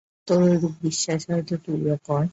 তোর ঐরূপ বিশ্বাস হয় তো তুইও কর।